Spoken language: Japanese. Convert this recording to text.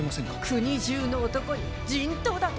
国中の男に人痘だと！？